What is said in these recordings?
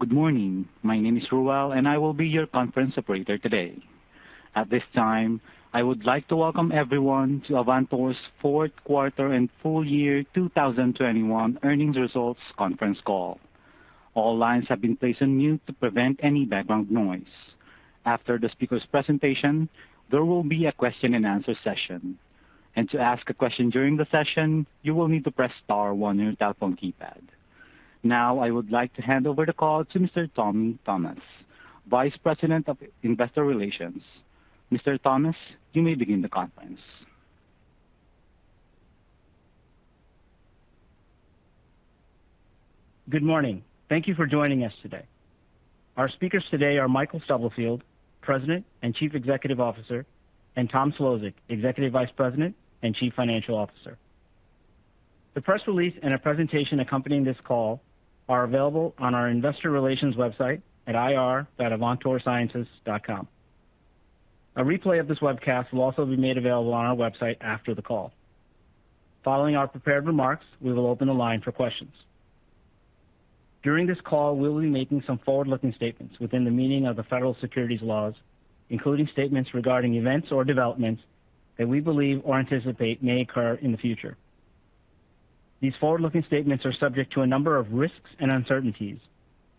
Good morning. My name is Ruel, and I will be your conference operator today. At this time, I would like to welcome everyone to Avantor's Q4 and full year 2021 earnings results conference call. All lines have been placed on mute to prevent any background noise. After the speaker's presentation, there will be a question-and-answer session. To ask a question during the session, you will need to press star one on your telephone keypad. Now I would like to hand over the call to Mr. Tommy Thomas, Vice President of Investor Relations. Mr. Thomas, you may begin the conference. Good morning. Thank you for joining us today. Our speakers today are Michael Stubblefield, President and Chief Executive Officer, and Thomas Szlosek, Executive Vice President and Chief Financial Officer. The press release and a presentation accompanying this call are available on our investor relations website at ir.avantorsciences.com. A replay of this webcast will also be made available on our website after the call. Following our prepared remarks, we will open the line for questions. During this call, we will be making some forward-looking statements within the meaning of the Federal Securities laws, including statements regarding events or developments that we believe or anticipate may occur in the future. These forward-looking statements are subject to a number of risks and uncertainties,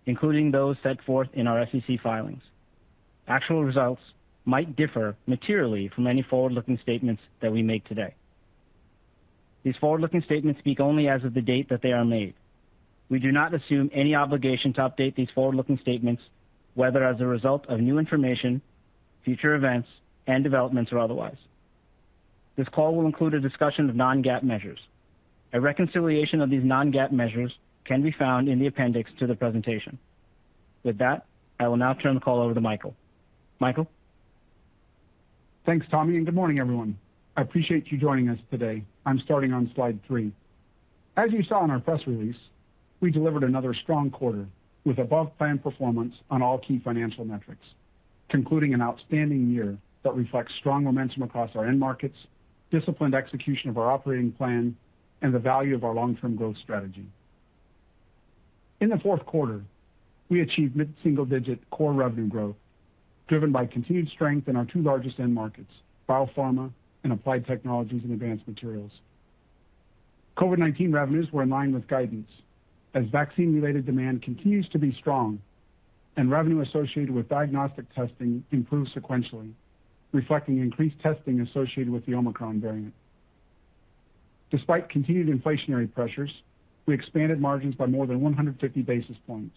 including those set forth in our SEC filings. Actual results might differ materially from any forward-looking statements that we make today. These forward-looking statements speak only as of the date that they are made. We do not assume any obligation to update these forward-looking statements, whether as a result of new information, future events and developments or otherwise. This call will include a discussion of non-GAAP measures. A reconciliation of these non-GAAP measures can be found in the appendix to the presentation. With that, I will now turn the call over to Michael. Michael. Thanks, Tommy, and good morning, everyone. I appreciate you joining us today. I'm starting on slide 3. As you saw in our press release, we delivered another strong quarter with above plan performance on all key financial metrics, concluding an outstanding year that reflects strong momentum across our end markets, disciplined execution of our operating plan, and the value of our long-term growth strategy. In the Q4, we achieved mid-single-digit core revenue growth, driven by continued strength in our two largest end markets, biopharma and applied technologies and advanced materials. COVID-19 revenues were in line with guidance as vaccine-related demand continues to be strong and revenue associated with diagnostic testing improved sequentially, reflecting increased testing associated with the Omicron variant. Despite continued inflationary pressures, we expanded margins by more than 150 basis points,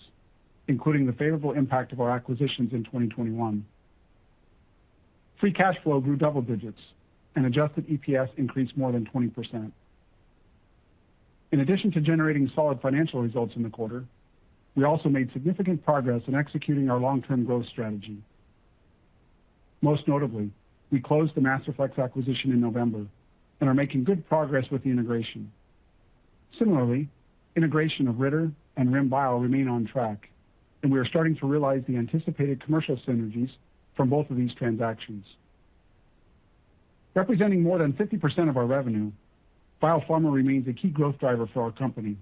including the favorable impact of our acquisitions in 2021. Free cash flow grew double digits and adjusted EPS increased more than 20%. In addition to generating solid financial results in the quarter, we also made significant progress in executing our long-term growth strategy. Most notably, we closed the Masterflex acquisition in November and are making good progress with the integration. Similarly, integration of Ritter and RIM Bio remain on track, and we are starting to realize the anticipated commercial synergies from both of these transactions. Representing more than 50% of our revenue, Biopharma remains a key growth driver for our company,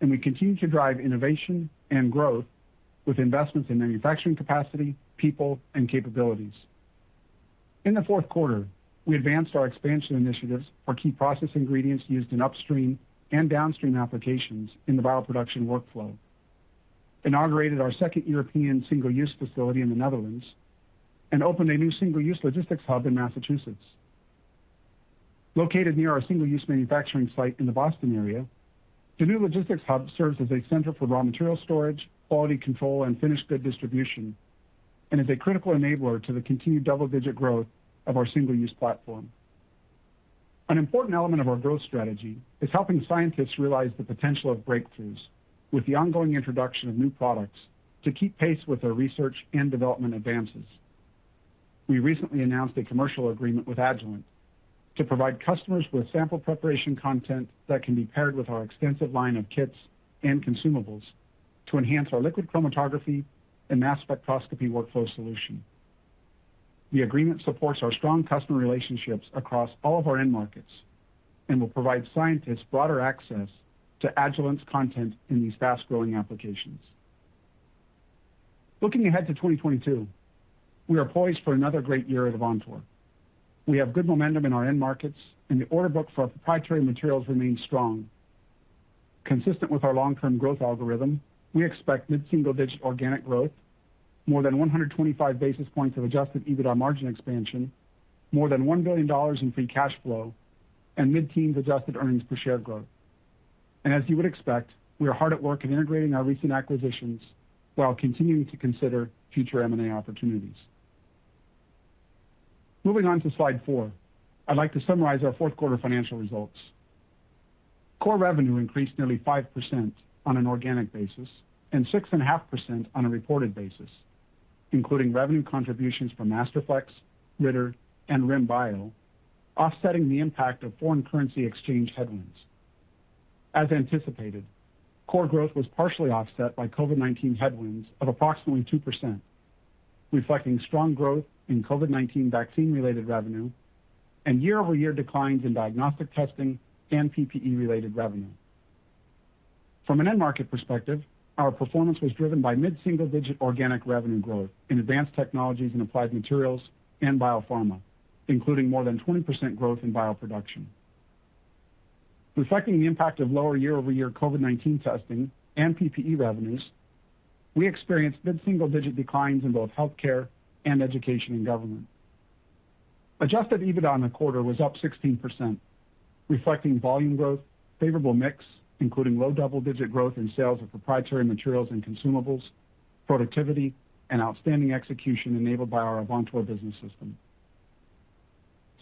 and we continue to drive innovation and growth with investments in manufacturing capacity, people, and capabilities. In the Q4 we advanced our expansion initiatives for key process ingredients used in upstream and downstream applications in the bioproduction workflow, inaugurated our second European single-use facility in the Netherlands, and opened a new single-use logistics hub in Massachusetts. Located near our single-use manufacturing site in the Boston area, the new logistics hub serves as a center for raw material storage, quality control, and finished good distribution, and is a critical enabler to the continued double-digit growth of our single-use platform. An important element of our growth strategy is helping scientists realize the potential of breakthroughs with the ongoing introduction of new products to keep pace with their research and development advances. We recently announced a commercial agreement with Agilent to provide customers with sample preparation content that can be paired with our extensive line of kits and consumables to enhance our liquid chromatography and mass spectrometry workflow solution. The agreement supports our strong customer relationships across all of our end markets and will provide scientists broader access to Agilent's content in these fast-growing applications. Looking ahead to 2022, we are poised for another great year at Avantor. We have good momentum in our end markets, and the order book for our proprietary materials remains strong. Consistent with our long-term growth algorithm, we expect mid-single-digit organic growth, more than 125 basis points of Adjusted EBITDA margin expansion, more than $1 billion in free cash flow, and mid-teen adjusted earnings per share growth. As you would expect, we are hard at work in integrating our recent acquisitions while continuing to consider future M&A opportunities. Moving on to slide four, I'd like to summarize our Q4 financial results. Core revenue increased nearly 5% on an organic basis and 6.5% on a reported basis, including revenue contributions from Masterflex, Ritter, and RIM Bio, offsetting the impact of foreign currency exchange headwinds. As anticipated, core growth was partially offset by COVID-19 headwinds of approximately 2%, reflecting strong growth in COVID-19 vaccine-related revenue and year-over-year declines in diagnostic testing and PPE-related revenue. From an end market perspective, our performance was driven by mid-single-digit organic revenue growth in advanced technologies and applied materials and biopharma, including more than 20% growth in bioproduction. Reflecting the impact of lower year-over-year COVID-19 testing and PPE revenues, we experienced mid-single-digit declines in both healthcare and education and government. Adjusted EBITDA in the quarter was up 16%, reflecting volume growth, favorable mix, including low double-digit growth in sales of proprietary materials and consumables, productivity and outstanding execution enabled by our Avantor Business System.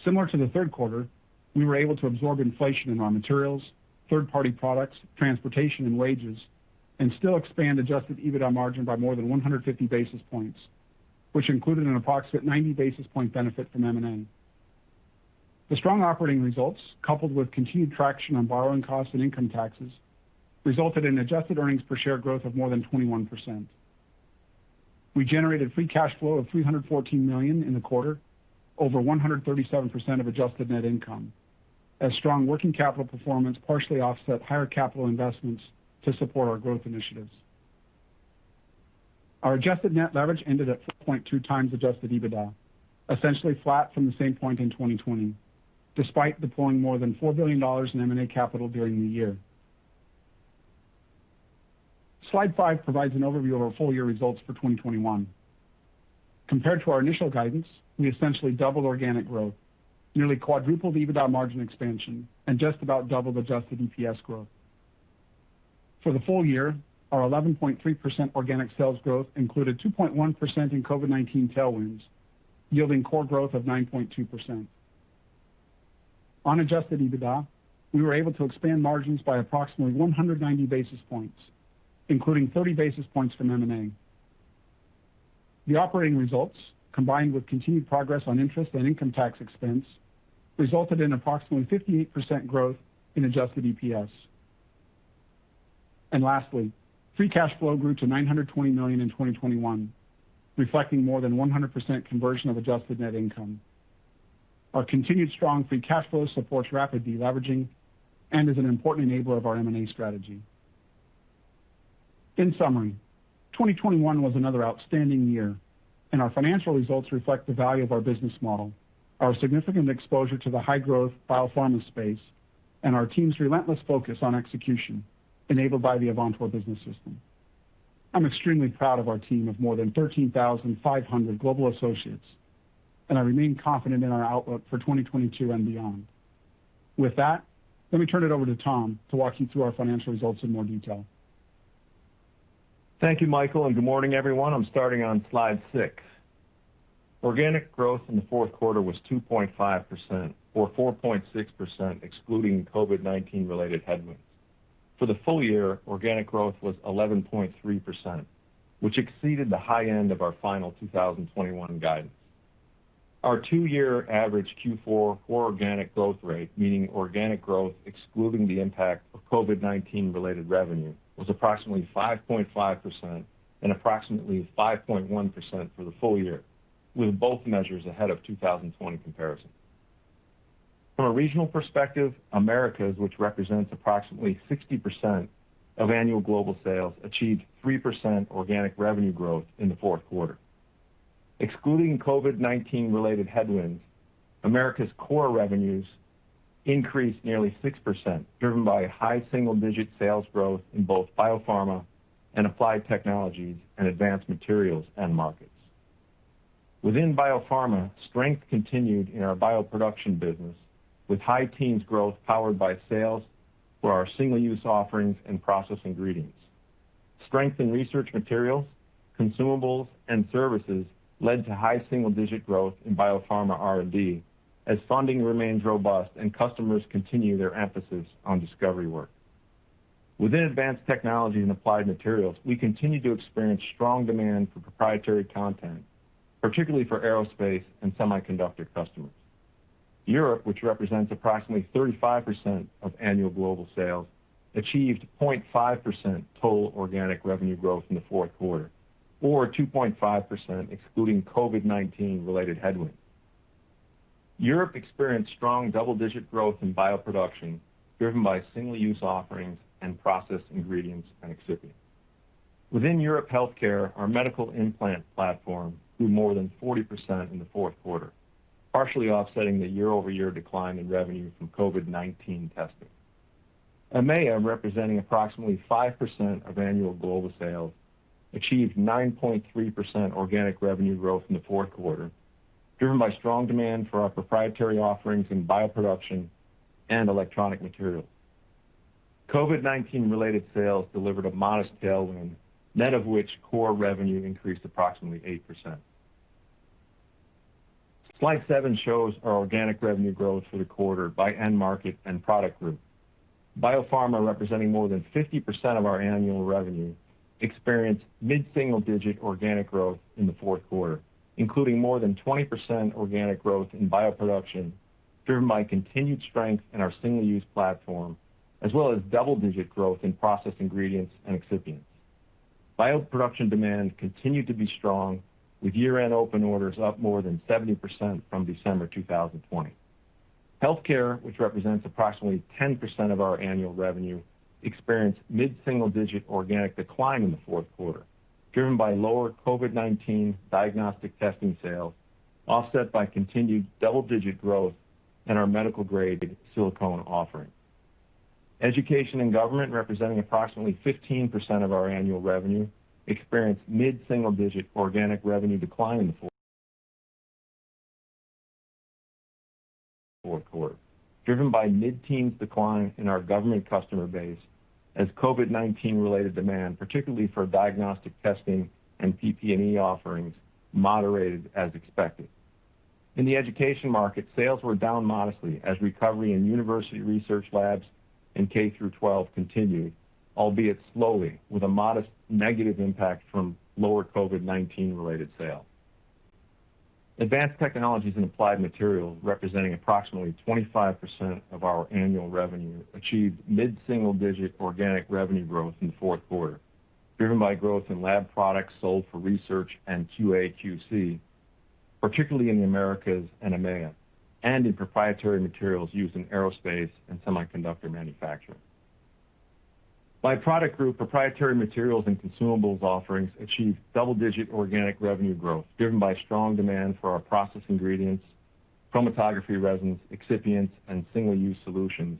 Similar to the Q3 we were able to absorb inflation in our materials, third-party products, transportation, and wages, and still expand Adjusted EBITDA margin by more than 150 basis points, which included an approximate 90 basis point benefit from M&A. The strong operating results, coupled with continued traction on borrowing costs and income taxes, resulted in adjusted earnings per share growth of more than 21%. We generated free cash flow of $314 million in the quarter, over 137% of adjusted net income, as strong working capital performance partially offset higher capital investments to support our growth initiatives. Our adjusted net leverage ended at 4.2x Adjusted EBITDA, essentially flat from the same point in 2020, despite deploying more than $4 billion in M&A capital during the year. Slide five provides an overview of our full year results for 2021. Compared to our initial guidance, we essentially doubled organic growth, nearly quadrupled EBITDA margin expansion, and just about doubled adjusted EPS growth. For the full year, our 11.3% organic sales growth included 2.1% in COVID-19 tailwinds, yielding core growth of 9.2%. On adjusted EBITDA, we were able to expand margins by approximately 190 basis points, including 30 basis points from M&A. The operating results, combined with continued progress on interest and income tax expense, resulted in approximately 58% growth in adjusted EPS. Lastly, free cash flow grew to $920 million in 2021, reflecting more than 100% conversion of adjusted net income. Our continued strong free cash flow supports rapid deleveraging and is an important enabler of our M&A strategy. In summary, 2021 was another outstanding year, and our financial results reflect the value of our business model, our significant exposure to the high-growth biopharma space, and our team's relentless focus on execution enabled by the Avantor Business System. I'm extremely proud of our team of more than 13,500 global associates, and I remain confident in our outlook for 2022 and beyond. With that, let me turn it over to Tom to walk you through our financial results in more detail. Thank you, Michael, and good morning, everyone. I'm starting on slide 6. Organic growth in the Q4 was 2.5% or 4.6%, excluding COVID-19 related headwinds. For the full year, organic growth was 11.3%, which exceeded the high end of our final 2021 guidance. Our two-year average Q4 core organic growth rate, meaning organic growth excluding the impact of COVID-19 related revenue, was approximately 5.5% and approximately 5.1% for the full year, with both measures ahead of 2020 comparison. From a regional perspective, Americas, which represents approximately 60% of annual global sales, achieved 3% organic revenue growth in the Q4. Excluding COVID-19 related headwinds, America's core revenues increased nearly 6%, driven by high single-digit sales growth in both biopharma and applied technologies and advanced materials end markets. Within biopharma, strength continued in our bioproduction business with high teens growth powered by sales for our single-use offerings and process ingredients. Strength in research materials, consumables, and services led to high single-digit growth in biopharma R&D as funding remains robust and customers continue their emphasis on discovery work. Within advanced technology and applied materials, we continue to experience strong demand for proprietary content, particularly for aerospace and semiconductor customers. Europe, which represents approximately 35% of annual global sales, achieved 0.5% total organic revenue growth in the Q4 or 2.5% excluding COVID-19 related headwinds. Europe experienced strong double-digit growth in bioproduction, driven by single-use offerings and process ingredients and excipients. Within Europe healthcare, our medical implant platform grew more than 40% in the Q4, partially offsetting the year-over-year decline in revenue from COVID-19 testing. EMEA, representing approximately 5% of annual global sales, achieved 9.3% organic revenue growth in the Q4, driven by strong demand for our proprietary offerings in bioproduction and electronic materials. COVID-19 related sales delivered a modest tailwind, net of which core revenue increased approximately 8%. Slide seven shows our organic revenue growth for the quarter by end market and product group. Biopharma, representing more than 50% of our annual revenue, experienced mid-single digit organic growth in the Q4, including more than 20% organic growth in bioproduction. Driven by continued strength in our single-use platform, as well as double-digit growth in process ingredients and excipients. Bioproduction demand continued to be strong with year-end open orders up more than 70% from December 2020. Healthcare, which represents approximately 10% of our annual revenue, experienced mid-single-digit organic decline in the Q4, driven by lower COVID-19 diagnostic testing sales, offset by continued double-digit growth in our medical-grade silicone offering. Education and government, representing approximately 15% of our annual revenue, experienced mid-single-digit organic revenue decline in the Q4, driven by mid-teens decline in our government customer base as COVID-19 related demand, particularly for diagnostic testing and PPE offerings, moderated as expected. In the education market, sales were down modestly as recovery in university research labs and K-12 continued, albeit slowly, with a modest negative impact from lower COVID-19 related sales. Advanced Technologies and Applied Materials, representing approximately 25% of our annual revenue, achieved mid-single-digit organic revenue growth in the Q4, driven by growth in lab products sold for research and QA/QC, particularly in the Americas and EMEA, and in proprietary materials used in aerospace and semiconductor manufacturing. By product group, proprietary materials and consumables offerings achieved double-digit organic revenue growth, driven by strong demand for our process ingredients, chromatography resins, excipients, and single-use solutions.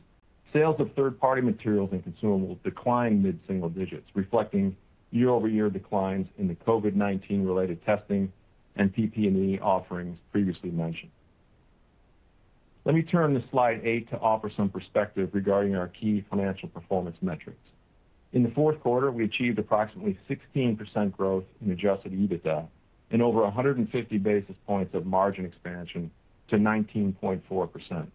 Sales of third-party materials and consumables declined mid-single digits, reflecting year-over-year declines in the COVID-19 related testing and PPE offerings previously mentioned. Let me turn to slide 8 to offer some perspective regarding our key financial performance metrics. In the Q4, we achieved approximately 16% growth in Adjusted EBITDA and over 150 basis points of margin expansion to 19.4%.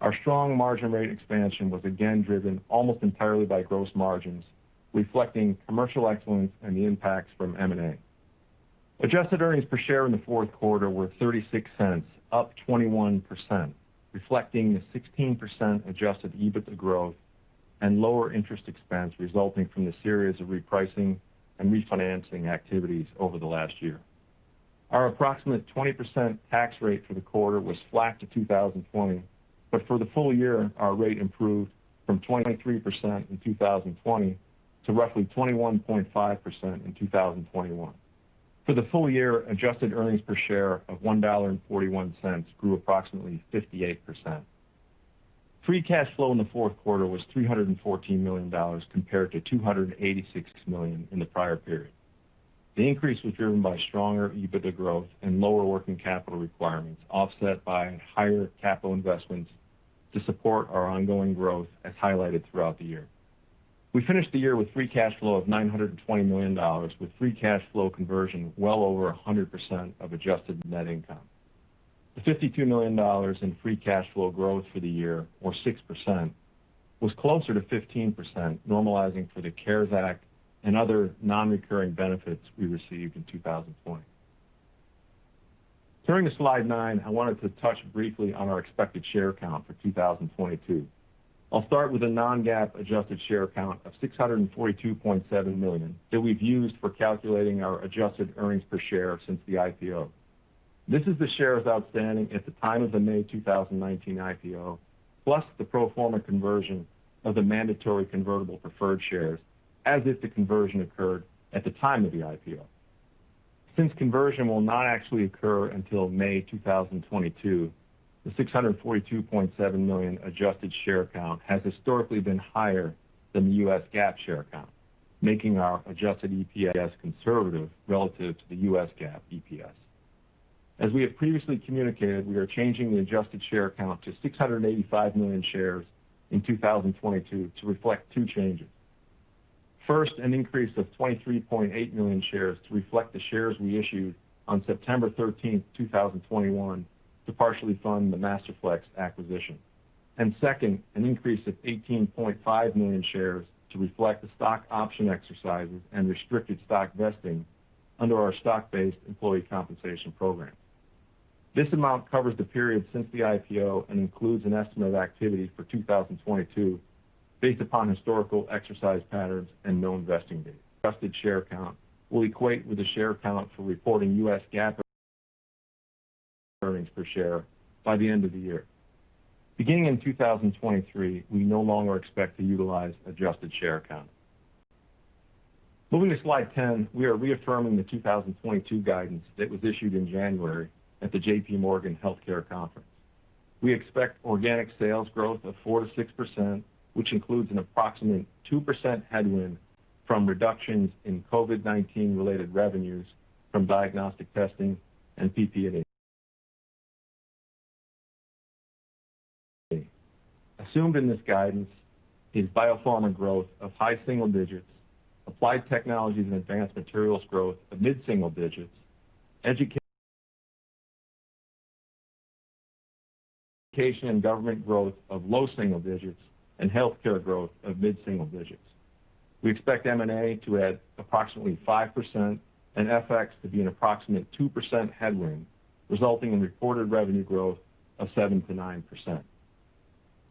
Our strong margin rate expansion was again driven almost entirely by gross margins, reflecting commercial excellence and the impacts from M&A. Adjusted earnings per share in the Q4 were $0.36, up 21%, reflecting the 16% Adjusted EBITDA growth and lower interest expense resulting from the series of repricing and refinancing activities over the last year. Our approximate 20% tax rate for the quarter was flat to 2020, but for the full year, our rate improved from 23% in 2020 to roughly 21.5% in 2021. For the full year, adjusted earnings per share of $1.41 grew approximately 58%. Free cash flow in the Q4 was $314 million compared to $286 million in the prior period. The increase was driven by stronger EBITDA growth and lower working capital requirements, offset by higher capital investments to support our ongoing growth as highlighted throughout the year. We finished the year with free cash flow of $920 million, with free cash flow conversion well over 100% of adjusted net income. The $52 million in free cash flow growth for the year, or 6%, was closer to 15% normalizing for the CARES Act and other non-recurring benefits we received in 2020. Turning to slide 9, I wanted to touch briefly on our expected share count for 2022. I'll start with a non-GAAP adjusted share count of 642.7 million that we've used for calculating our adjusted earnings per share since the IPO. This is the shares outstanding at the time of the May 2019 IPO, plus the pro forma conversion of the mandatory convertible preferred shares as if the conversion occurred at the time of the IPO. Since conversion will not actually occur until May 2022, the 642.7 million adjusted share count has historically been higher than the U.S. GAAP share count, making our adjusted EPS conservative relative to the U.S. GAAP EPS. As we have previously communicated, we are changing the adjusted share count to 685 million shares in 2022 to reflect two changes. First, an increase of 23.8 million shares to reflect the shares we issued on September 13, 2021 to partially fund the Masterflex acquisition. Second, an increase of 18.5 million shares to reflect the stock option exercises and restricted stock vesting under our stock-based employee compensation program. This amount covers the period since the IPO and includes an estimate of activity for 2022 based upon historical exercise patterns and known vesting dates. Adjusted share count will equate with the share count for reporting U.S. GAAP earnings per share by the end of the year. Beginning in 2023, we no longer expect to utilize adjusted share count. Moving to slide 10, we are reaffirming the 2022 guidance that was issued in January at the JPMorgan Healthcare Conference. We expect organic sales growth of 4%-6%, which includes an approximate 2% headwind from reductions in COVID-19 related revenues from diagnostic testing and PPE. Assumed in this guidance is biopharma growth of high single digits, applied technologies and advanced materials growth of mid-single digits, education and government growth of low single digits, and healthcare growth of mid-single digits. We expect M&A to add approximately 5% and FX to be an approximate 2% headwind, resulting in reported revenue growth of 7%-9%.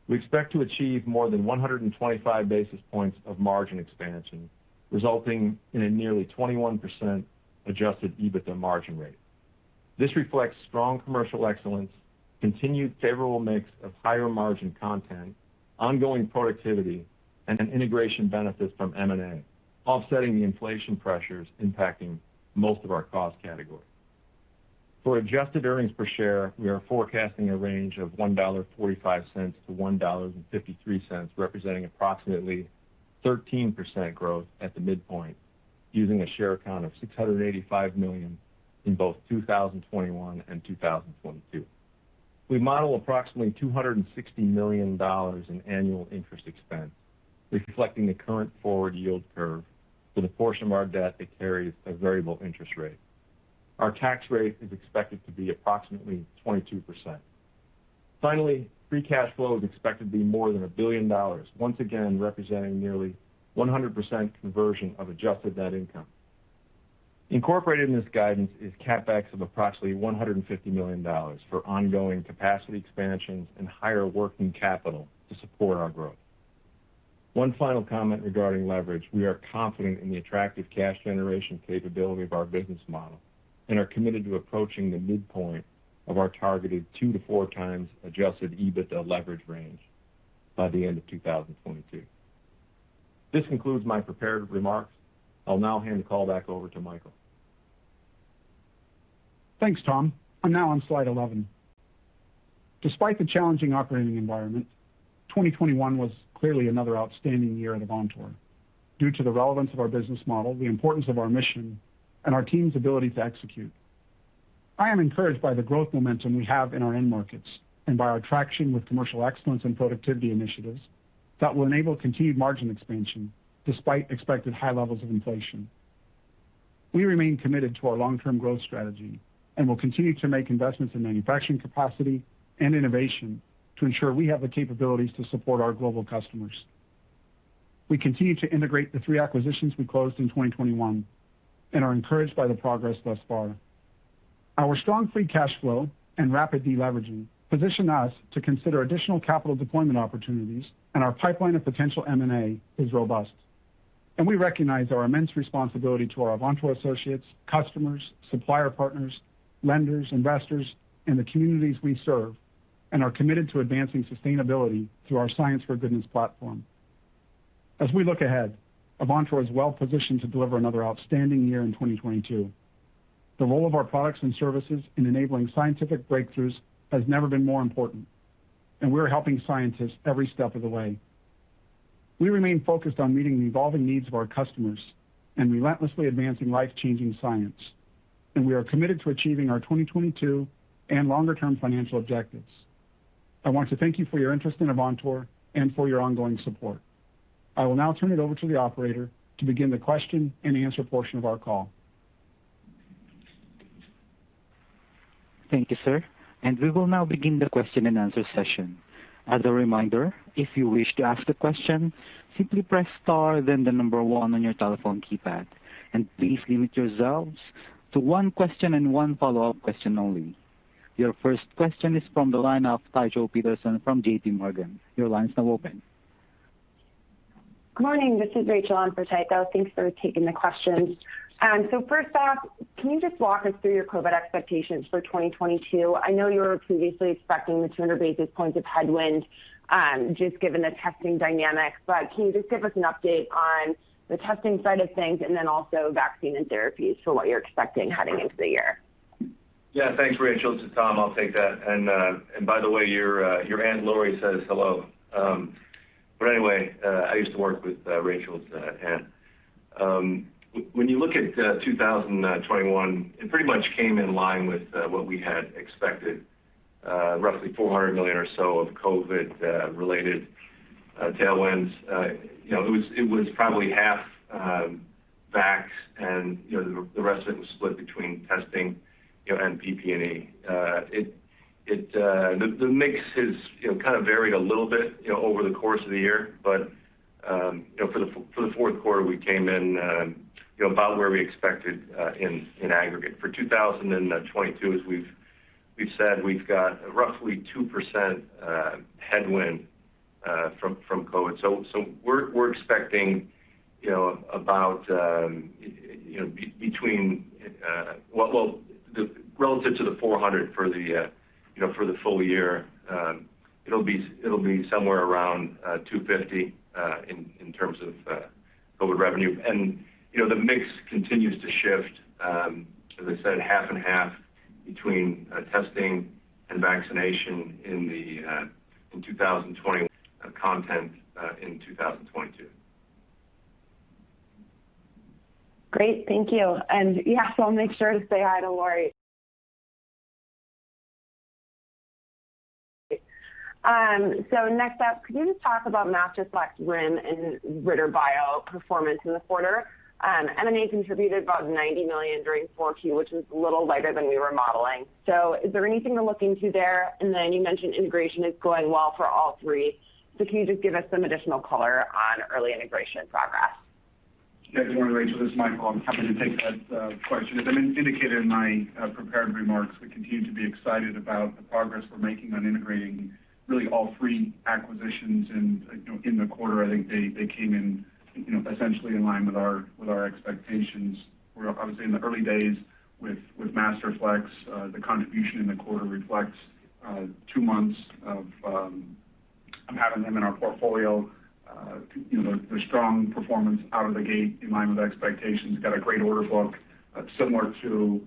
We expect to achieve more than 125 basis points of margin expansion, resulting in a nearly 21% Adjusted EBITDA margin rate. This reflects strong commercial excellence, continued favorable mix of higher margin content, ongoing productivity, and integration benefits from M&A, offsetting the inflation pressures impacting most of our cost categories. For adjusted earnings per share, we are forecasting a range of $1.45-$1.53, representing approximately 13% growth at the midpoint, using a share count of 685 million in both 2021 and 2022. We model approximately $260 million in annual interest expense, reflecting the current forward yield curve for the portion of our debt that carries a variable interest rate. Our tax rate is expected to be approximately 22%. Finally, free cash flow is expected to be more than $1 billion, once again, representing nearly 100% conversion of adjusted net income. Incorporated in this guidance is CapEx of approximately $150 million for ongoing capacity expansions and higher working capital to support our growth. One final comment regarding leverage. We are confident in the attractive cash generation capability of our business model and are committed to approaching the midpoint of our targeted 2x-4x Adjusted EBITDA leverage range by the end of 2022. This concludes my prepared remarks. I'll now hand the call back over to Michael. Thanks, Tom. I'm now on slide 11. Despite the challenging operating environment, 2021 was clearly another outstanding year at Avantor due to the relevance of our business model, the importance of our mission, and our team's ability to execute. I am encouraged by the growth momentum we have in our end markets and by our traction with commercial excellence and productivity initiatives that will enable continued margin expansion despite expected high levels of inflation. We remain committed to our long-term growth strategy and will continue to make investments in manufacturing capacity and innovation to ensure we have the capabilities to support our global customers. We continue to integrate the three acquisitions we closed in 2021 and are encouraged by the progress thus far. Our strong free cash flow and rapid deleveraging position us to consider additional capital deployment opportunities, and our pipeline of potential M&A is robust. We recognize our immense responsibility to our Avantor associates, customers, supplier partners, lenders, investors, and the communities we serve and are committed to advancing sustainability through our Science for Goodness platform. As we look ahead, Avantor is well positioned to deliver another outstanding year in 2022. The role of our products and services in enabling scientific breakthroughs has never been more important, and we're helping scientists every step of the way. We remain focused on meeting the evolving needs of our customers and relentlessly advancing life-changing science, and we are committed to achieving our 2022 and longer-term financial objectives. I want to thank you for your interest in Avantor and for your ongoing support. I will now turn it over to the operator to begin the question and answer portion of our call. Thank you, sir. We will now begin the question and answer session. As a reminder, if you wish to ask the question, simply press star, then the number one on your telephone keypad. Please limit yourselves to one question and one follow-up question only. Your first question is from the line of Tycho Peterson from JPMorgan. Your line is now open. Good morning, this is Rachel Vatnsdal on for Tycho Peterson. Thanks for taking the questions. First off, can you just walk us through your COVID expectations for 2022? I know you were previously expecting the 200 basis points of headwind, just given the testing dynamics. Can you just give us an update on the testing side of things and then also vaccine and therapies for what you're expecting heading into the year? Yeah. Thanks, Rachel. It's Tom. I'll take that. By the way, your aunt Lori says hello. I used to work with Rachel's aunt. When you look at 2021, it pretty much came in line with what we had expected, roughly $400 million or so of COVID-related tailwinds. You know, it was probably half VAX and, you know, the rest of it was split between testing, you know, and PPE. The mix has, you know, kind of varied a little bit, you know, over the course of the year. You know, for the Q4, we came in, you know, about where we expected, in aggregate. For 2022, as we've said, we've got roughly 2% headwind from COVID. We're expecting, you know, well, relative to the $400 for the full year, it'll be somewhere around $250 in terms of COVID revenue. You know, the mix continues to shift, as I said, half-and-half between testing and vaccination in 2021 in 2022. Great. Thank you. Yeah, so I'll make sure to say hi to Lori. Next up, could you just talk about Masterflex, RIM Bio, and Ritter performance in the quarter? M&A contributed about $90 million during Q4, which was a little lighter than we were modeling. Is there anything to look into there? You mentioned integration is going well for all three, so can you just give us some additional color on early integration progress? Yeah. Good morning, Rachel. This is Michael. I'm happy to take that question. As I indicated in my prepared remarks, we continue to be excited about the progress we're making on integrating really all three acquisitions. You know, in the quarter, I think they came in, you know, essentially in line with our expectations. We're obviously in the early days with Masterflex. The contribution in the quarter reflects two months of having them in our portfolio. You know, their strong performance out of the gate in line with expectations. Got a great order book, similar to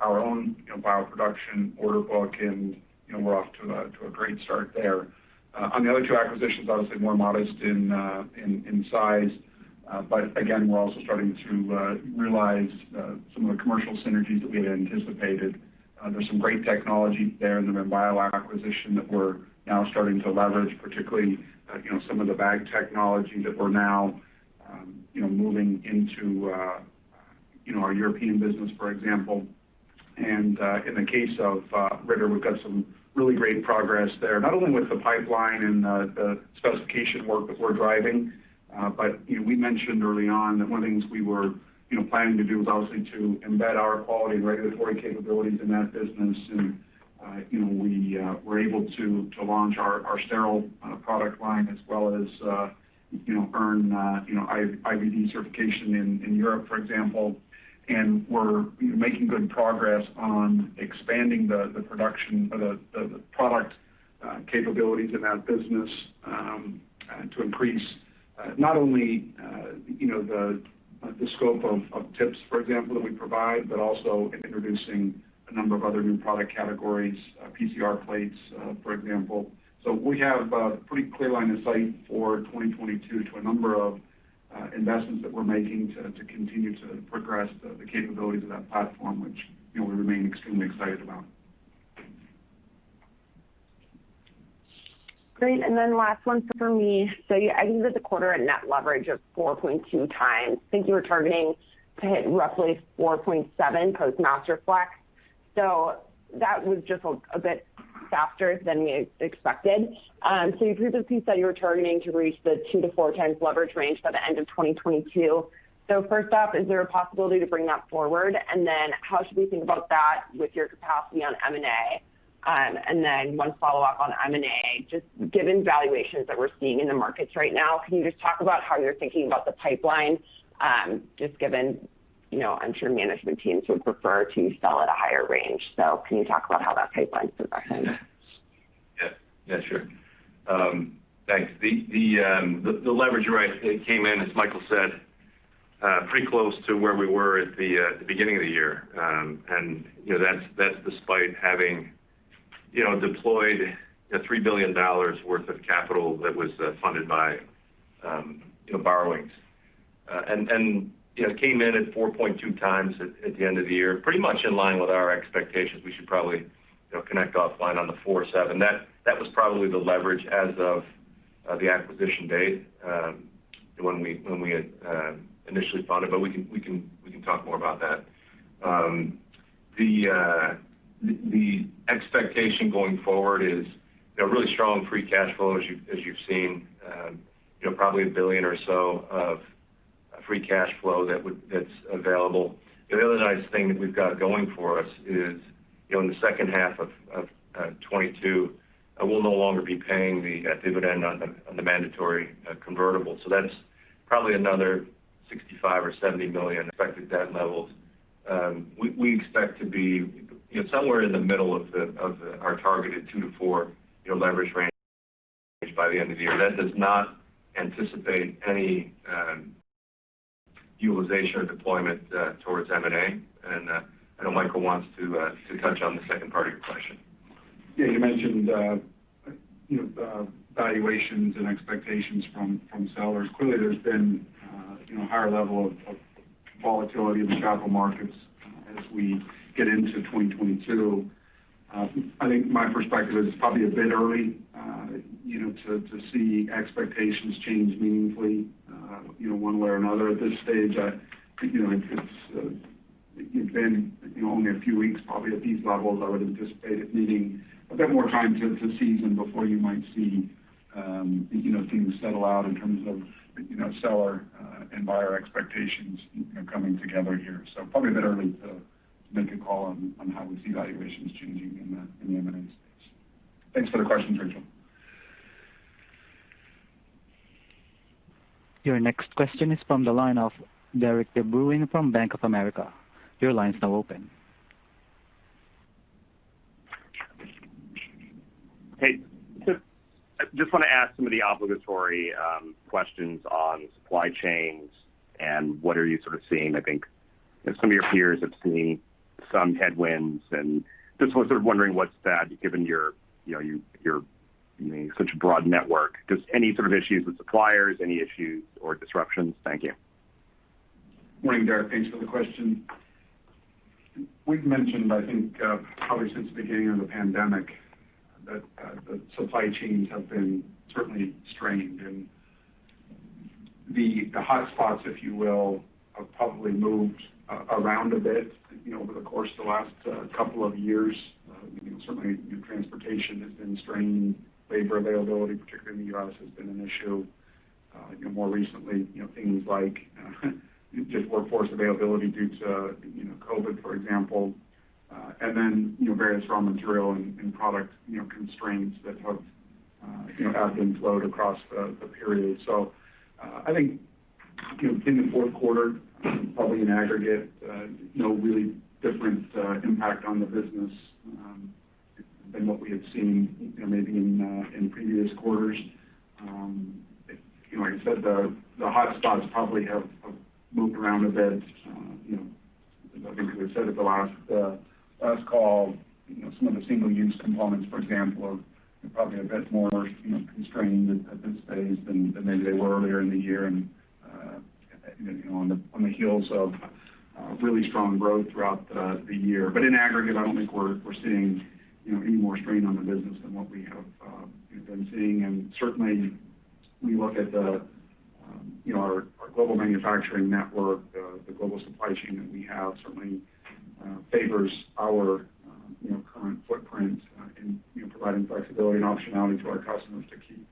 our own, you know, bioproduction order book, and you know, we're off to a great start there. On the other two acquisitions, obviously more modest in size. Again, we're also starting to realize some of the commercial synergies that we had anticipated. There's some great technology there in the RIM Bio acquisition that we're now starting to leverage, particularly, you know, some of the bag technology that we're now you know, moving into you know, our European business, for example. In the case of Ritter, we've got some really great progress there, not only with the pipeline and the specification work that we're driving, but, you know, we mentioned early on that one of the things we were you know, planning to do was obviously to embed our quality and regulatory capabilities in that business. You know, we're able to launch our sterile product line as well as you know earn IVD certification in Europe, for example. You know, we're making good progress on expanding the production or the product capabilities in that business to increase not only you know the scope of tips, for example, that we provide, but also in introducing a number of other new product categories, PCR plates, for example. We have a pretty clear line of sight for 2022 to a number of investments that we're making to continue to progress the capabilities of that platform, which you know we remain extremely excited about. Great. Then last one for me. You ended the quarter at net leverage of 4.2x. I think you were targeting to hit roughly 4.7 post Masterflex. That was just a bit softer than we expected. You previously said you were targeting to reach the 2x-4x leverage range by the end of 2022. First up, is there a possibility to bring that forward? Then how should we think about that with your capacity on M&A? One follow-up on M&A. Given valuations that we're seeing in the markets right now, can you just talk about how you're thinking about the pipeline? Just given, you know, I'm sure management teams would prefer to sell at a higher range. Can you talk about how that pipeline's progressing? Yeah. Yeah, sure. Thanks. The leverage rate came in, as Michael said, pretty close to where we were at the beginning of the year. You know, that's despite having you know, deployed the $3 billion worth of capital that was funded by you know, borrowings. You know, it came in at 4.2x at the end of the year, pretty much in line with our expectations. We should probably you know, connect offline on the 4.7x. That was probably the leverage as of the acquisition date, when we had initially funded. We can talk more about that. The expectation going forward is you know, really strong free cash flow as you've seen. You know, probably $1 billion or so of free cash flow that's available. The other nice thing that we've got going for us is, you know, in the H2 of 2022, we'll no longer be paying the dividend on the mandatory convertible. So that's probably another $65 million or $70 million affected debt levels. We expect to be, you know, somewhere in the middle of our targeted 2-4 leverage range by the end of the year. That does not anticipate any utilization or deployment towards M&A. I know Michael wants to touch on the second part of your question. Yeah. You mentioned, you know, the valuations and expectations from sellers. Clearly, there's been you know, a higher level of volatility in the capital markets as we get into 2022. I think my perspective is it's probably a bit early you know, to see expectations change meaningfully you know, one way or another at this stage. I you know, it's been you know, only a few weeks probably at these levels. I would anticipate it needing a bit more time to season before you might see you know, things settle out in terms of you know, seller and buyer expectations you know, coming together here. Probably a bit early to make a call on how we see valuations changing in the M&A space. Thanks for the question, Rachel. Your next question is from the line of Derik de Bruin from Bank of America. Your line's now open. Hey. Just wanna ask some of the obligatory questions on supply chains and what are you sort of seeing. I think, you know, some of your peers have seen some headwinds, and just was sort of wondering what's that given your, you know, such a broad network. Just any sort of issues with suppliers, any issues or disruptions? Thank you. Morning, Derik. Thanks for the question. We've mentioned, I think, probably since the beginning of the pandemic that the supply chains have been certainly strained. The hotspots, if you will, have probably moved around a bit, you know, over the course of the last couple of years. Certainly, transportation has been strained. Labor availability, particularly in the U.S., has been an issue. More recently, you know, things like just workforce availability due to, you know, COVID, for example, and then, you know, various raw material and product, you know, constraints that have, you know, ebbed and flowed across the period. I think, you know, in the Q4, probably in aggregate, no really different impact on the business than what we had seen, you know, maybe in previous quarters. Like I said, the hotspots probably have moved around a bit. You know, I think we said at the last call, you know, some of the single-use components, for example, are probably a bit more constrained at this stage than maybe they were earlier in the year and, you know, on the heels of really strong growth throughout the year. But in aggregate, I don't think we're seeing, you know, any more strain on the business than what we have been seeing. Certainly we look at our global manufacturing network, the global supply chain that we have certainly favors our current footprint in providing flexibility and optionality to our customers to keep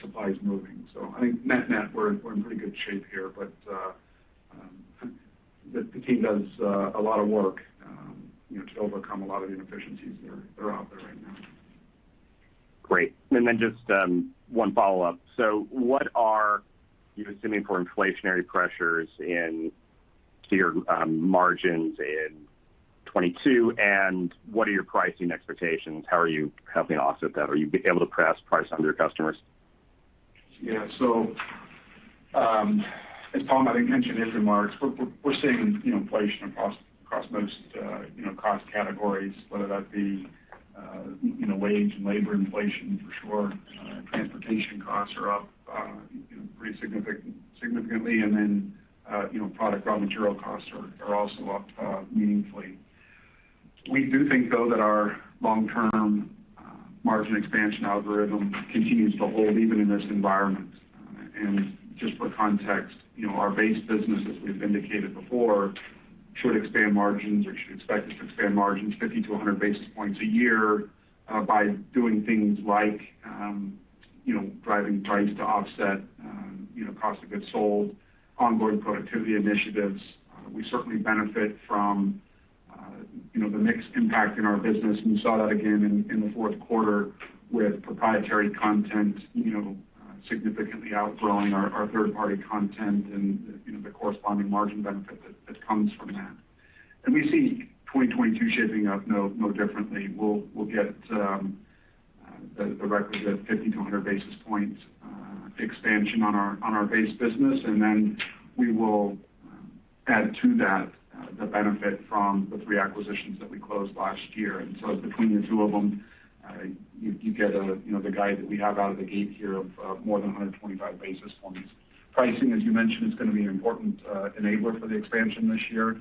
supplies moving. I think net-net, we're in pretty good shape here. The team does a lot of work, you know, to overcome a lot of the inefficiencies that are out there right now. Great. Just one follow-up. What are you assuming for inflationary pressures into your margins in 2022? What are your pricing expectations? How are you helping to offset that? Are you able to pass price on to your customers? Yeah. As Tom, I think, mentioned in his remarks, we're seeing inflation across most, you know, cost categories, whether that be, you know, wage and labor inflation for sure. Transportation costs are up pretty significantly. Product raw material costs are also up meaningfully. We do think, though, that our long-term margin expansion algorithm continues to hold even in this environment. Just for context, you know, our base business, as we've indicated before, should expand margins or should expect us to expand margins 50 basis points-100 basis points a year, by doing things like, you know, driving price to offset, you know, cost of goods sold, ongoing productivity initiatives. We certainly benefit from, you know, the mix impact in our business. We saw that again in the Q4 with proprietary content, you know, significantly outgrowing our third-party content and, you know, the corresponding margin benefit that comes from that. We see 2022 shaping up no differently. We'll get the requisite 50 basis points-100 basis points expansion on our base business, and then we will add to that the benefit from the three acquisitions that we closed last year. Between the two of them, you get a, you know, the guide that we have out of the gate here of more than 125 basis points. Pricing, as you mentioned, is going to be an important enabler for the expansion this year.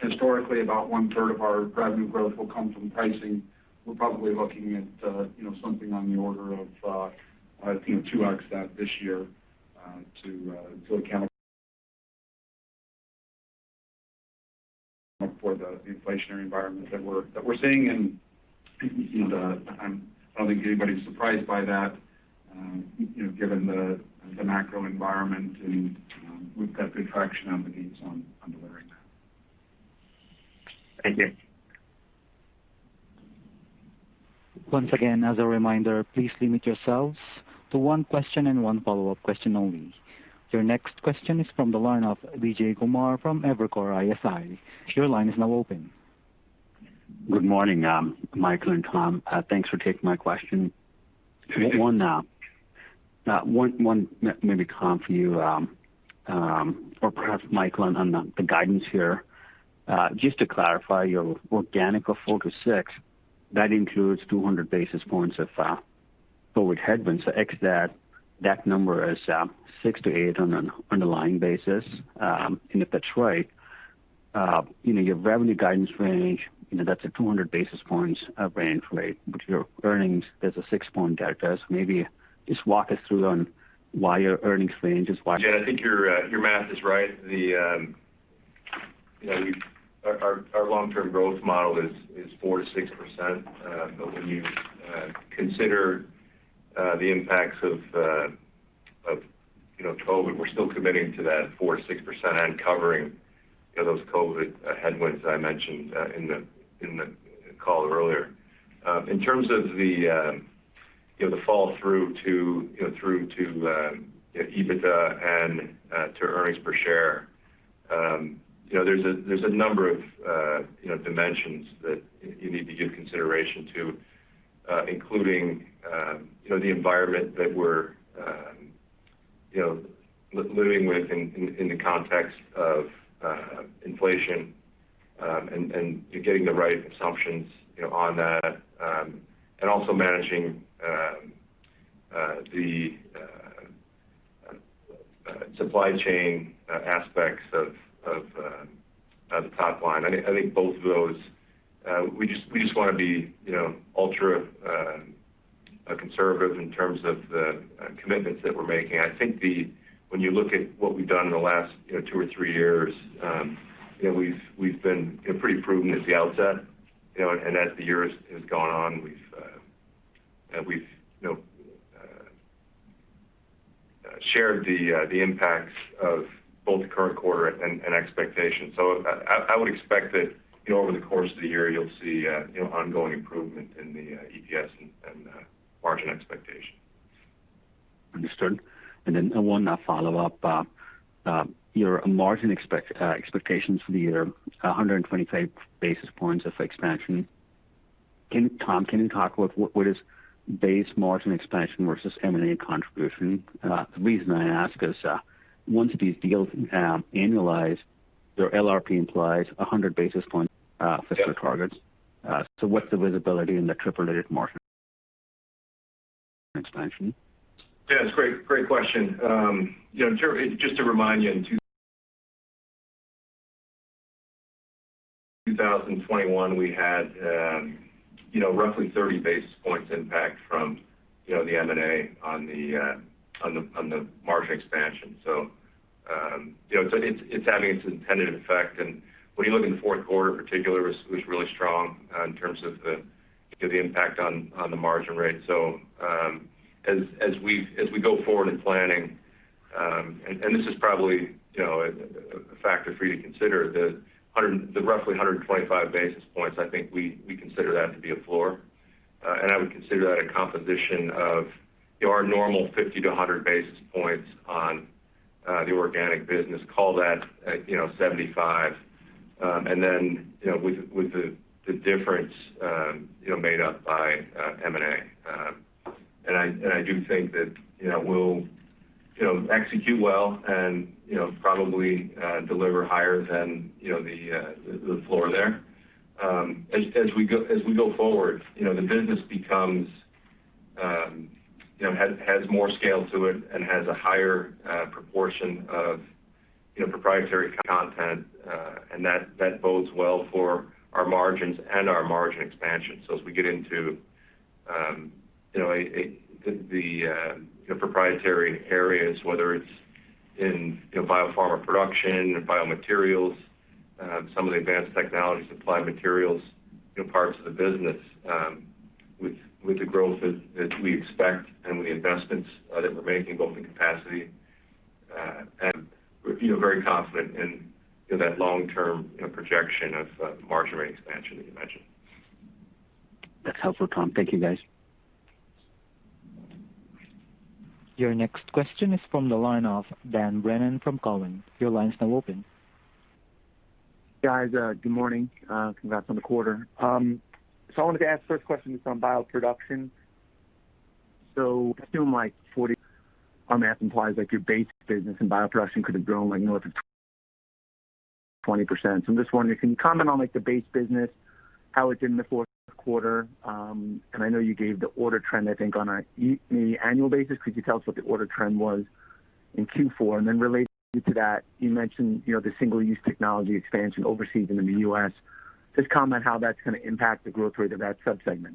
Historically, about 1/3 of our revenue growth will come from pricing. We're probably looking at, you know, something on the order of, I think 2x that this year, to account for the inflationary environment that we're seeing. You know, I don't think anybody's surprised by that, you know, given the macro environment and we've got good traction out of the gates on delivering that. Thank you. Once again, as a reminder, please limit yourselves to one question and one follow-up question only. Your next question is from the line of Vijay Kumar from Evercore ISI. Your line is now open. Good morning, Michael and Tom. Thanks for taking my question. One maybe Tom for you, or perhaps Michael on the guidance here. Just to clarify your organic 4%-6%, that includes 200 basis points of FX headwinds. So ex that number is 6%-8% on an underlying basis. And if that's right, you know, your revenue guidance range, you know, that's a 200 basis points range, right? Your earnings, there's a 6-point delta. So maybe just walk us through on why your earnings range is what- Yeah, I think your math is right. You know, our long-term growth model is 4%-6%. When you consider the impacts of, you know, COVID, we're still committing to that 4%-6% and covering, you know, those COVID headwinds that I mentioned in the call earlier. In terms of the flow through to EBITDA and to earnings per share, there's a number of dimensions that you need to give consideration to, including the environment that we're living with in the context of inflation, and getting the right assumptions on that, and also managing the supply chain aspects of the top line. I think both of those, we just wanna be ultra conservative in terms of the commitments that we're making. When you look at what we've done in the last, you know, two or three years, you know, we've been, you know, pretty prudent at the outset, you know. As the years has gone on, we've, you know, shared the impacts of both the current quarter and expectations. I would expect that, you know, over the course of the year, you'll see, you know, ongoing improvement in the, EPS and, margin expectation. Understood. One follow-up. Your margin expectations for the year, 125 basis points of expansion. Tom, can you talk what is base margin expansion versus M&A contribution? The reason I ask is, once these deals annualize, their LRP implies 100 basis points. Yeah. Fiscal targets. What's the visibility in the trip-related margin expansion? Yeah. It's a great question. Just to remind you, in 2021, we had roughly 30 basis points impact from the M&A on the margin expansion. It's having its intended effect. When you look in the Q4 in particular, it was really strong in terms of the impact on the margin rate. As we go forward in planning, this is probably a factor for you to consider, the roughly 125 basis points. I think we consider that to be a floor. I would consider that a composition of our normal 50 basis points-100 basis points on the organic business. Call that 75. You know, with the difference made up by M&A. I do think that, you know, we'll execute well and, you know, probably deliver higher than, you know, the floor there. As we go forward, you know, the business has more scale to it and has a higher proportion of, you know, proprietary content. That bodes well for our margins and our margin expansion. As we get into you know proprietary areas whether it's in you know biopharma production biomaterials some of the advanced technologies applied materials you know parts of the business with the growth that we expect and the investments that we're making both in capacity and we feel very confident in you know that long-term you know projection of margin rate expansion that you mentioned. That's helpful, Tom. Thank you, guys. Your next question is from the line of Dan Brennan from Cowen. Your line is now open. Guys, good morning. Congrats on the quarter. I wanted to ask first question is on bioproduction. Assume like Q4 math implies like your base business in bioproduction could have grown like north of 20%. I'm just wondering, can you comment on like the base business, how it did in the Q4? I know you gave the order trend, I think on a year-over-year annual basis. Could you tell us what the order trend was in Q4? Related to that, you mentioned, you know, the single-use technology expansion overseas and in the U.S.. Just comment how that's gonna impact the growth rate of that subsegment.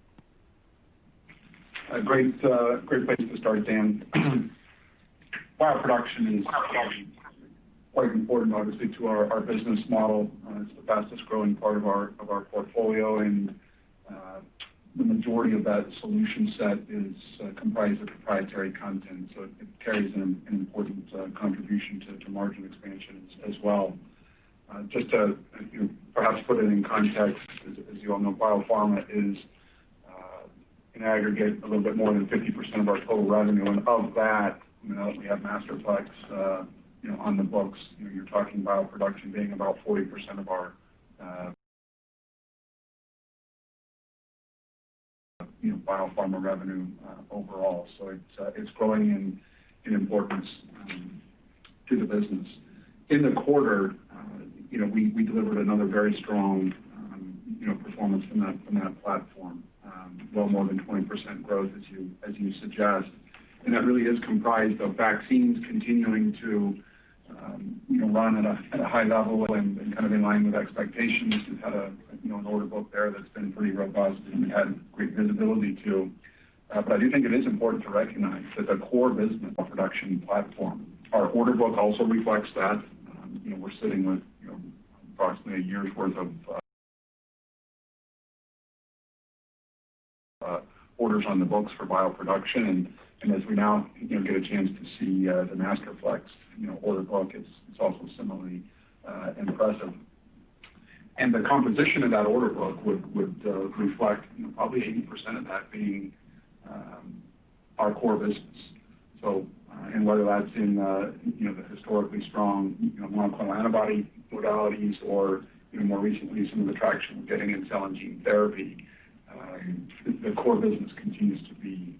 A great place to start, Dan. Bioproduction is quite important obviously to our business model. It's the fastest growing part of our portfolio. The majority of that solution set is comprised of proprietary content, so it carries an important contribution to margin expansion as well. Just to perhaps put it in context, as you all know, biopharma is in aggregate a little bit more than 50% of our total revenue. Of that, you know, we have Masterflex on the books. You know, you're talking bioproduction being about 40% of our biopharma revenue overall. It's growing in importance to the business. In the quarter, you know, we delivered another very strong, you know, performance from that platform. Well, more than 20% growth as you suggest. That really is comprised of vaccines continuing to run at a high level and kind of in line with expectations. We've had you know, an order book there that's been pretty robust and we've had great visibility too. But I do think it is important to recognize that the core business bioproduction platform, our order book also reflects that. You know, we're sitting with you know, approximately a year's worth of orders on the books for bioproduction. As we now you know, get a chance to see the Masterflex you know, order book, it's also similarly impressive. The composition of that order book would reflect, you know, probably 80% of that being our core business. Whether that's in, you know, the historically strong, you know, monoclonal antibody modalities or, you know, more recently some of the traction we're getting in cell and gene therapy, the core business continues to be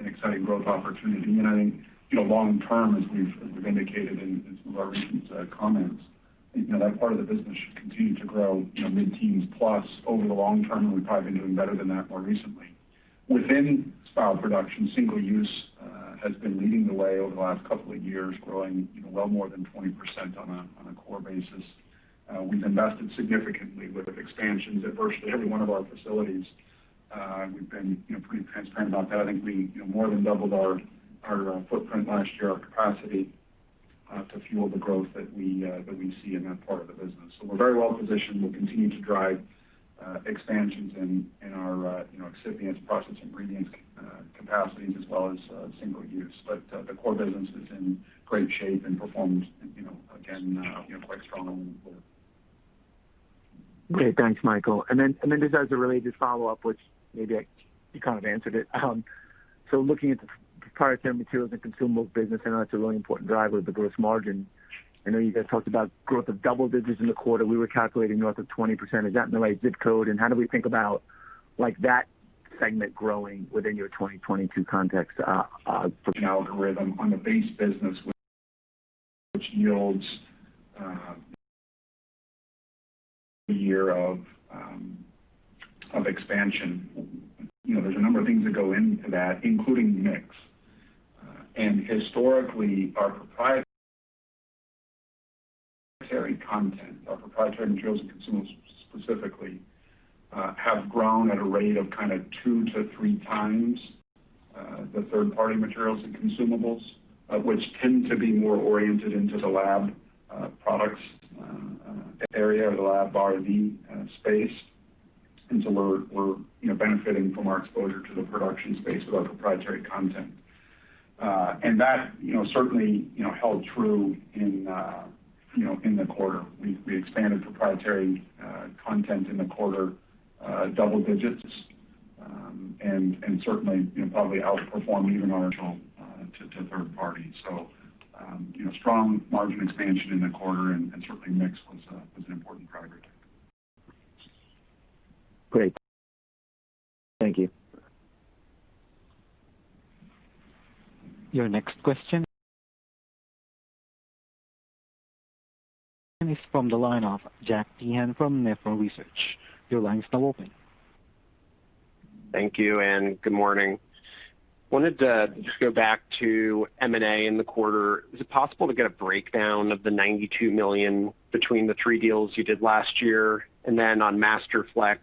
an exciting growth opportunity. I think, you know, long term, as we've indicated in some of our recent comments, you know, that part of the business should continue to grow, you know, mid-teens plus over the long term. We've probably been doing better than that more recently. Within bioproduction, single-use has been leading the way over the last couple of years, growing well more than 20% on a core basis. We've invested significantly with expansions at virtually every one of our facilities. We've been, you know, pretty transparent about that. I think we, you know, more than doubled our footprint last year, our capacity to fuel the growth that we see in that part of the business. We're very well positioned. We'll continue to drive expansions in our, you know, excipient process ingredients capacities as well as single use. The core business is in great shape and performed, you know, again, quite strongly in the quarter. Great. Thanks, Michael. Just as a related follow-up, which maybe you kind of answered it. Looking at the proprietary materials and consumables business, I know that's a really important driver of the gross margin. I know you guys talked about growth of double digits in the quarter. We were calculating north of 20%. Is that in the right zip code? How do we think about, like, that segment growing within your 2022 context, for- An algorithm on the base business which yields a year of expansion. You know, there's a number of things that go into that, including mix. Historically, our proprietary content, our proprietary materials and consumables specifically, have grown at a rate of kind of 2x-3x the third-party materials and consumables, which tend to be more oriented into the lab products area or the lab R&D space. So we're you know, benefiting from our exposure to the production space with our proprietary content. That you know, certainly held true in the quarter. We expanded proprietary content in the quarter double digits. Certainly you know, probably outperformed even our total to third party. You know, strong margin expansion in the quarter and certainly mix was an important driver. Great. Thank you. Your next question is from the line of Jack Meehan from Nephron Research. Your line is now open. Thank you, and good morning. Wanted to just go back to M&A in the quarter. Is it possible to get a breakdown of the $92 million between the three deals you did last year? On Masterflex,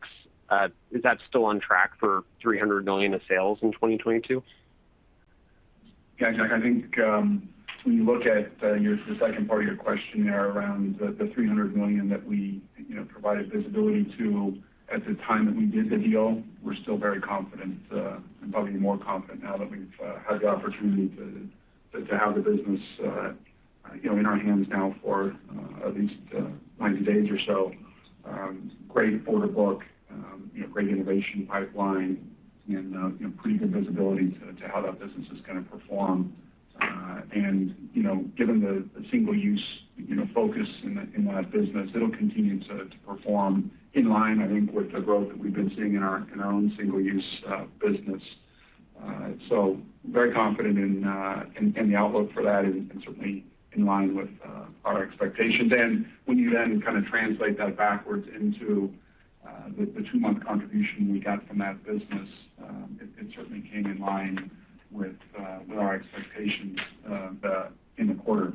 is that still on track for $300 million of sales in 2022? Yeah, Jack, I think when you look at the second part of your question there around the $300 million that we, you know, provided visibility to at the time that we did the deal, we're still very confident and probably more confident now that we've had the opportunity to have the business, you know, in our hands now for at least 90 days or so. Great order book, you know, great innovation pipeline and, you know, pretty good visibility to how that business is going to perform. You know, given the single-use focus in that business, it'll continue to perform in line, I think, with the growth that we've been seeing in our own single-use business. Very confident in the outlook for that and certainly in line with our expectations. When you then kind of translate that backwards into the 2-month contribution we got from that business, it certainly came in line with our expectations in the quarter.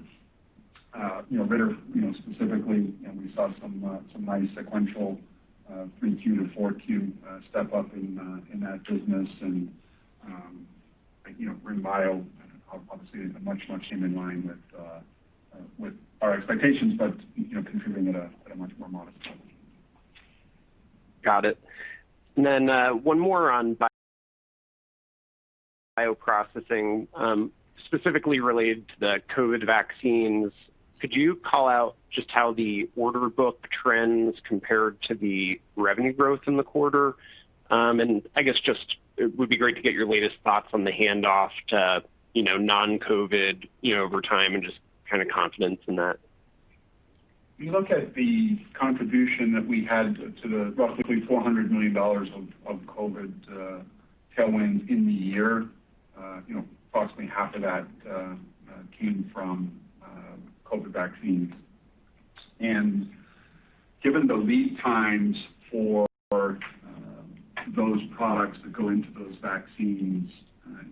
You know, Ritter, you know, specifically, we saw some nice sequential Q3 to Q4 step up in that business. You know, RIM Bio obviously much came in line with our expectations, but you know, contributing at a much more modest level. Got it. One more on bioprocessing, specifically related to the COVID vaccines. Could you call out just how the order book trends compared to the revenue growth in the quarter? I guess just it would be great to get your latest thoughts on the handoff to, you know, non-COVID, you know, over time and just kind of confidence in that. If you look at the contribution that we had to the roughly $400 million of COVID tailwinds in the year, you know, approximately half of that came from COVID vaccines. Given the lead times for those products that go into those vaccines,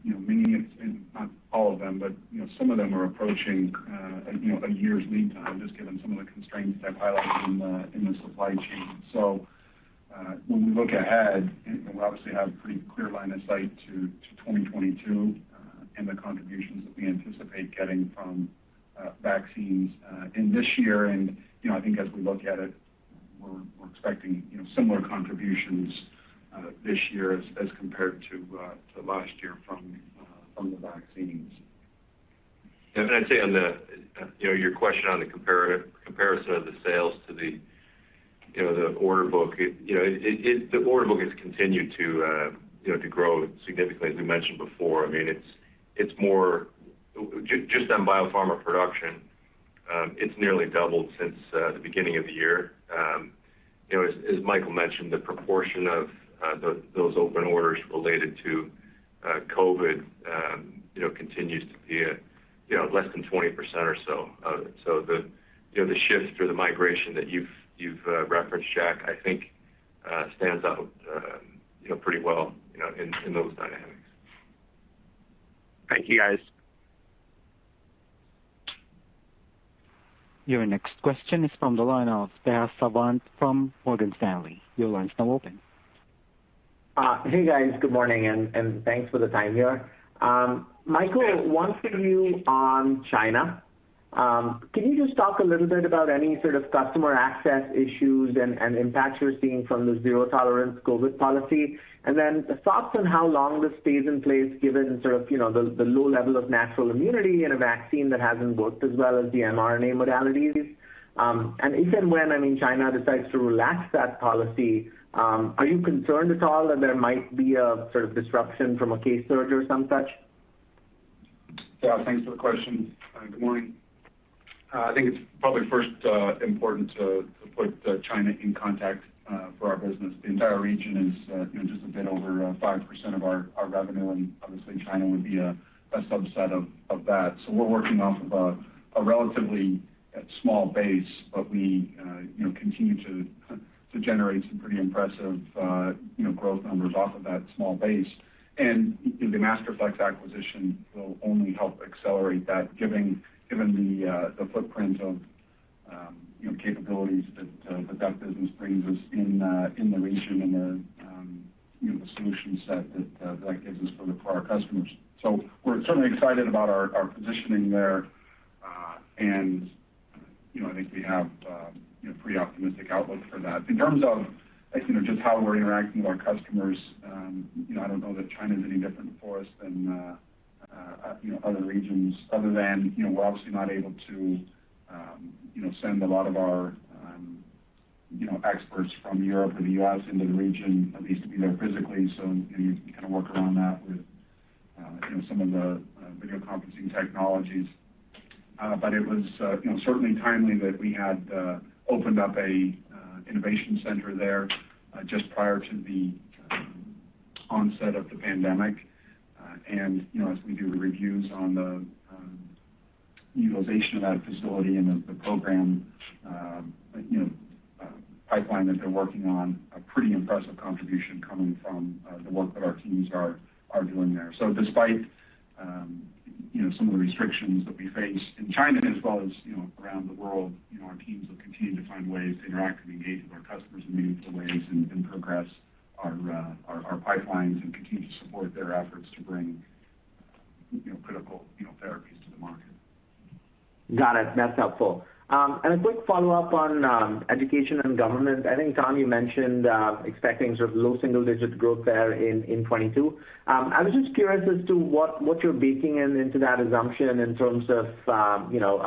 you know, many of them, and not all of them, but you know, some of them are approaching a year's lead time just given some of the constraints that I highlighted in the supply chain. When we look ahead, we obviously have pretty clear line of sight to 2022 and the contributions that we anticipate getting from vaccines in this year. You know, I think as we look at it, we're expecting, you know, similar contributions this year as compared to last year from the vaccines. I'd say on the, you know, your question on the comparison of the sales to the, you know, the order book. It, you know, the order book has continued to, you know, to grow significantly as we mentioned before. I mean, it's more. Just on biopharma production, it's nearly doubled since the beginning of the year. You know, as Michael mentioned, the proportion of those open orders related to COVID, you know, continues to be at, you know, less than 20% or so of it. So the, you know, the shift or the migration that you've referenced, Jack, I think Stands out, you know, pretty well, you know, in those dynamics. Thank you, guys. Your next question is from the line of Tejas Savant from Morgan Stanley. Your line's now open. Hey, guys. Good morning, and thanks for the time here. Michael, one for you on China. Can you just talk a little bit about any sort of customer access issues and impacts you're seeing from the zero-tolerance COVID policy? And then thoughts on how long this stays in place given sort of, you know, the low level of natural immunity in a vaccine that hasn't worked as well as the mRNA modalities. And if and when, I mean, China decides to relax that policy, are you concerned at all that there might be a sort of disruption from a case surge or some such? Yeah, thanks for the question. Good morning. I think it's probably first important to put China in context for our business. The entire region is you know just a bit over 5% of our revenue, and obviously China would be a subset of that. We're working off of a relatively small base, but we you know continue to generate some pretty impressive you know growth numbers off of that small base. The Masterflex acquisition will only help accelerate that, given the footprint of you know capabilities that business brings us in the region and the you know solution set that gives us for our customers. We're certainly excited about our positioning there. You know, I think we have you know pretty optimistic outlook for that. In terms of, like, you know, just how we're interacting with our customers, you know, I don't know that China is any different for us than you know other regions other than, you know, we're obviously not able to you know send a lot of our you know experts from Europe or the U.S. into the region, at least to be there physically. You can kind of work around that with you know some of the video conferencing technologies. It was you know certainly timely that we had opened up a innovation center there just prior to the onset of the pandemic. You know, as we do reviews on the utilization of that facility and the program, you know, pipeline that they're working on, a pretty impressive contribution coming from the work that our teams are doing there. Despite some of the restrictions that we face in China as well as around the world, you know, our teams will continue to find ways to interact and engage with our customers in meaningful ways and progress our pipelines and continue to support their efforts to bring critical therapies to the market. Got it. That's helpful. A quick follow-up on education and government. I think, Tom, you mentioned expecting sort of low single-digit growth there in 2022. I was just curious as to what you're baking in into that assumption in terms of you know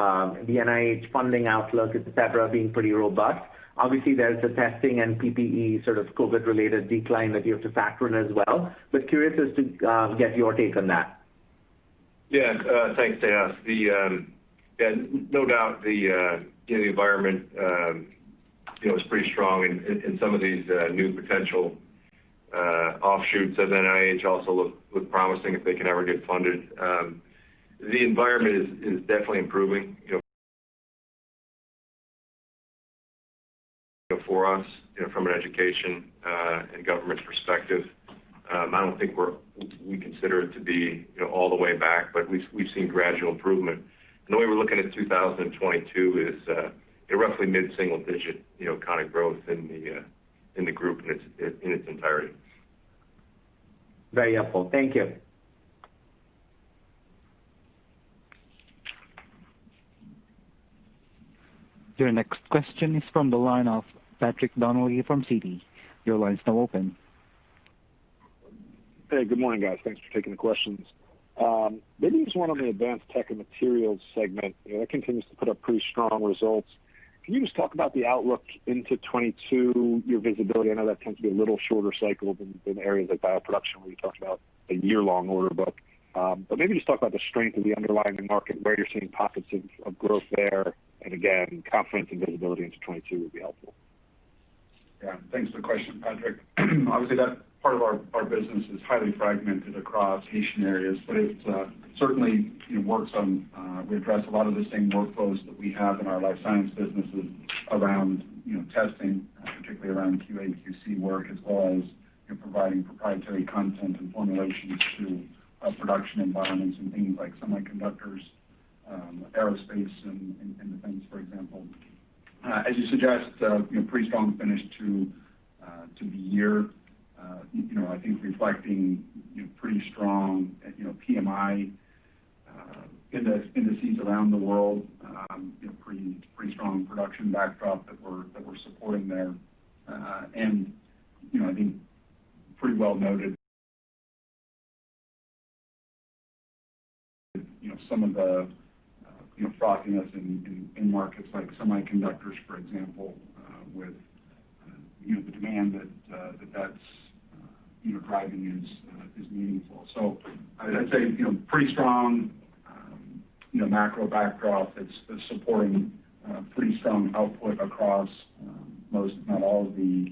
the NIH funding outlook, et cetera, being pretty robust. Obviously, there's the testing and PPE sort of COVID-related decline that you have to factor in as well. Curious as to get your take on that. Yeah. Thanks, Tejas. No doubt the you know, the environment you know, is pretty strong in some of these new potential offshoots as NIH also look promising if they can ever get funded. The environment is definitely improving you know, for us, you know, from an education and government perspective. I don't think we consider it to be you know, all the way back, but we've seen gradual improvement. The way we're looking at 2022 is roughly mid-single-digit you know, kind of growth in the group in its entirety. Very helpful. Thank you. Your next question is from the line of Patrick Donnelly from Citi. Your line's now open. Hey. Good morning, guys. Thanks for taking the questions. Maybe just one on the advanced tech and materials segment. You know, that continues to put up pretty strong results. Can you just talk about the outlook into 2022, your visibility? I know that tends to be a little shorter cycle than areas like bioproduction, where you talked about a year-long order book. But maybe just talk about the strength of the underlying market, where you're seeing pockets of growth there. Again, confidence and visibility into 2022 would be helpful. Yeah. Thanks for the question, Patrick. Obviously, that part of our business is highly fragmented across patient areas, but it certainly, you know, we address a lot of the same workflows that we have in our life science businesses around, you know, testing, particularly around QA/QC work, as well as providing proprietary content and formulations to production environments and things like semiconductors, aerospace and defense, for example. As you suggest, you know, pretty strong finish to the year. You know, I think reflecting, you know, pretty strong PMI indices around the world. You know, pretty strong production backdrop that we're supporting there. You know, I think pretty well noted, you know, some of the, you know, frothiness in markets like semiconductors, for example, with you know the demand that's you know driving is meaningful. I'd say, you know, pretty strong. You know, macro backdrop that's supporting pretty strong output across most, if not all of the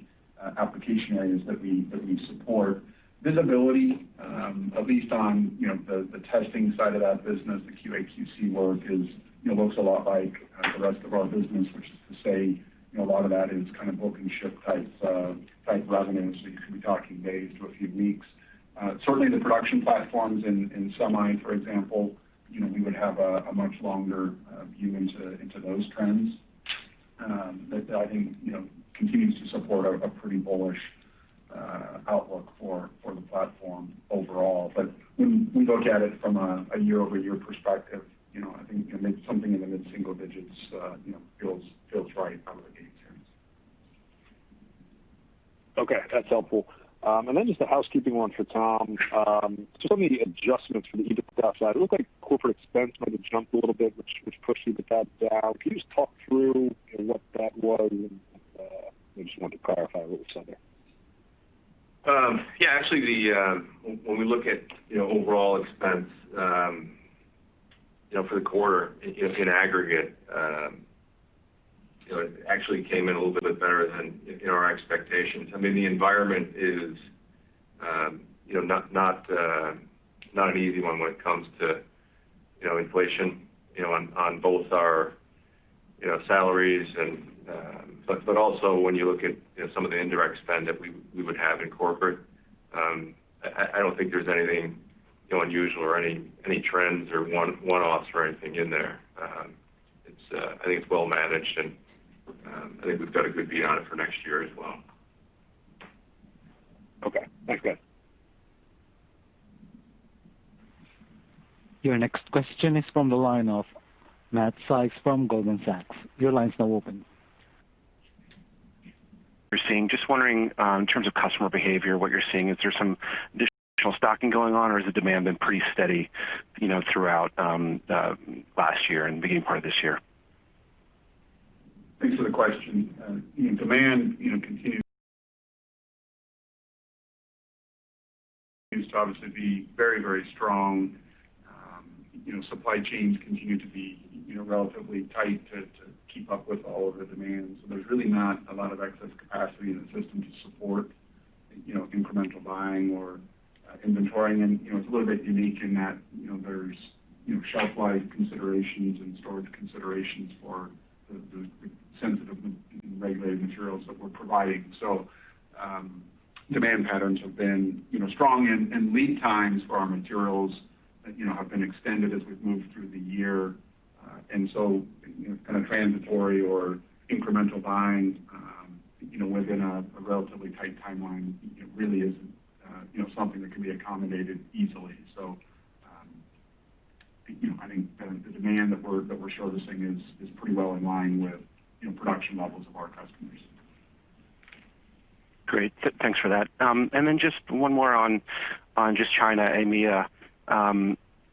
application areas that we support. Visibility at least on you know the testing side of that business, the QA/QC work you know looks a lot like the rest of our business. Which is to say, you know, a lot of that is kind of book and ship type revenue, and so you could be talking days to a few weeks. Certainly the production platforms in semi, for example, you know, we would have a much longer view into those trends. That, I think, you know, continues to support a pretty bullish outlook for the platform overall. When we look at it from a year-over-year perspective, you know, I think something in the mid-single digits, you know, feels right out of the gate here. Okay, that's helpful. Just a housekeeping one for Tom. Some of the adjustments from the EBITDA side, it looked like corporate expense kind of jumped a little bit, which pushed EBITDA down. Can you just talk through, you know, what that was and I just wanted to clarify what was said there. When we look at, you know, overall expense, you know, for the quarter in aggregate, you know, it actually came in a little bit better than in our expectations. I mean, the environment is, you know, not an easy one when it comes to, you know, inflation, you know, on both our, you know, salaries and but also when you look at, you know, some of the indirect spend that we would have in corporate. I don't think there's anything, you know, unusual or any trends or one-offs or anything in there. I think it's well managed and I think we've got a good view on it for next year as well. Okay, thanks guys. Your next question is from the line of Matt Sykes from Goldman Sachs. Your line's now open. You're seeing. Just wondering, in terms of customer behavior, what you're seeing. Is there some additional stocking going on, or has the demand been pretty steady, you know, throughout last year and the beginning part of this year? Thanks for the question. Demand, you know, continues to obviously be very, very strong. You know, supply chains continue to be, you know, relatively tight to keep up with all of the demand. There's really not a lot of excess capacity in the system to support, you know, incremental buying or inventory. You know, it's a little bit unique in that, you know, there's, you know, shelf life considerations and storage considerations for the sensitive and regulated materials that we're providing. Demand patterns have been, you know, strong and lead times for our materials, you know, have been extended as we've moved through the year. You know, kind of transitory or incremental buying, you know, within a relatively tight timeline, it really isn't, you know, something that can be accommodated easily. You know, I think the demand that we're servicing is pretty well in line with, you know, production levels of our customers. Great. Thanks for that. Just one more on just China, EMEA.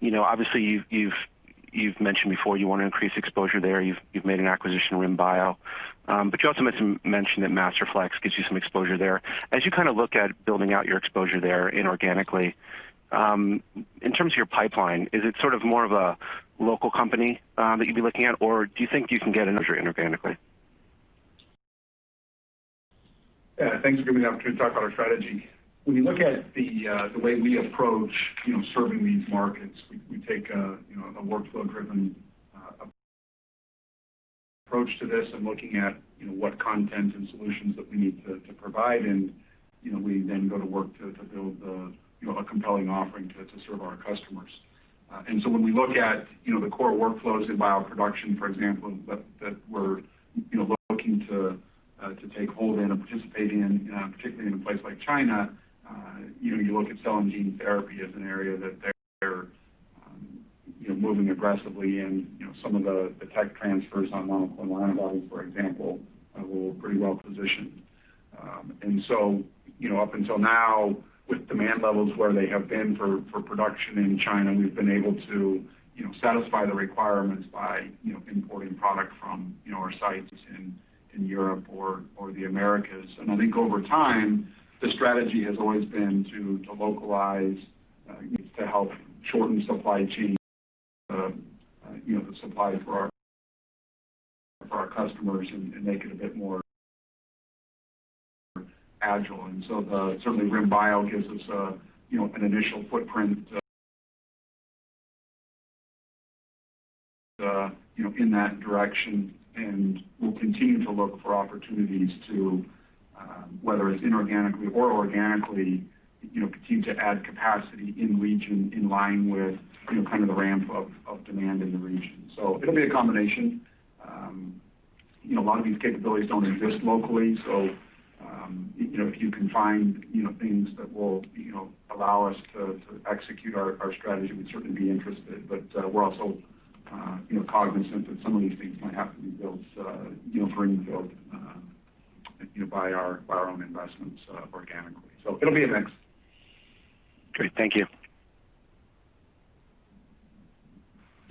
You know, obviously, you've mentioned before you want to increase exposure there. You've made an acquisition in RIM Bio. But you also mentioned that Masterflex gives you some exposure there. As you kind of look at building out your exposure there inorganically, in terms of your pipeline, is it sort of more of a local company that you'd be looking at? Or do you think you can get exposure inorganically? Yeah, thanks for giving me the opportunity to talk about our strategy. When we look at the way we approach, you know, serving these markets, we take a workflow-driven approach to this and looking at what content and solutions that we need to provide. You know, we then go to work to build a compelling offering to serve our customers. When we look at the core workflows in bioproduction, for example, that we're looking to take hold in or participate in, particularly in a place like China, you know, you look at cell and gene therapy as an area that they're moving aggressively in. You know, some of the tech transfers on monoclonals, for example, we're pretty well positioned. You know, up until now, with demand levels where they have been for production in China, we've been able to, you know, satisfy the requirements by, you know, importing product from, you know, our sites in Europe or the Americas. I think over time, the strategy has always been to localize to help shorten supply chain, the supply for our customers and make it a bit more agile. Certainly RIM Bio gives us a, you know, an initial footprint, you know, in that direction, and we'll continue to look for opportunities to, whether it's inorganically or organically, you know, continue to add capacity in the region in line with, you know, kind of the ramp of demand in the region. It'll be a combination. You know, a lot of these capabilities don't exist locally, so, you know, if you can find, you know, things that will, you know, allow us to execute our strategy, we'd certainly be interested. But, we're also, you know, cognizant that some of these things might have to be built, you know, greenfield, you know, by our own investments, organically. It'll be a mix. Great. Thank you.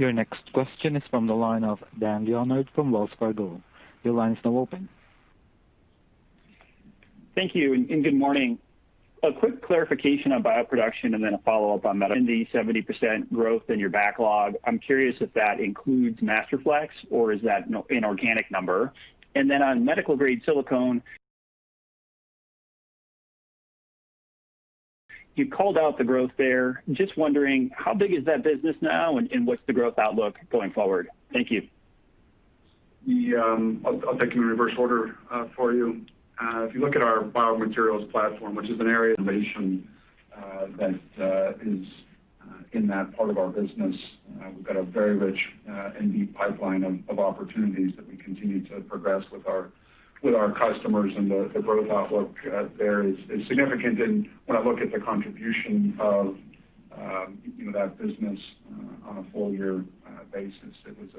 Your next question is from the line of Dan Leonard from Wells Fargo. Your line is now open. Thank you and good morning. A quick clarification on bioproduction and then a follow-up on that. In the 70% growth in your backlog, I'm curious if that includes Masterflex or is that an organic number? On medical-grade silicone, you called out the growth there. Just wondering, how big is that business now and what's the growth outlook going forward? Thank you. I'll take them in reverse order for you. If you look at our biomaterials platform, which is an area of innovation that is in that part of our business, we've got a very rich and deep pipeline of opportunities that we continue to progress with our customers. The growth outlook there is significant. When I look at the contribution of you know that business on a full year basis, it was